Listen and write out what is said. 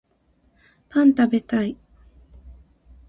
パン食べたい